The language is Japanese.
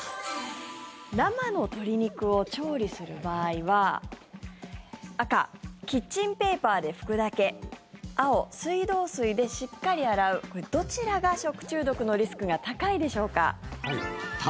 生の鶏肉を調理する場合は赤、キッチンペーパーで拭くだけ青、水道水でしっかり洗うこれどちらが食中毒のリスクが高いでしょうか。